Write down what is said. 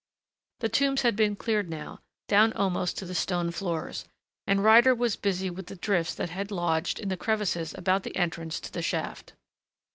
The tombs had been cleared now, down almost to the stone floors, and Ryder was busy with the drifts that had lodged in the crevices about the entrance to the shaft.